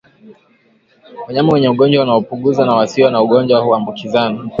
Wanyama wenye ugonjwa wanapogusana na wasio na ugonjwa huambukizana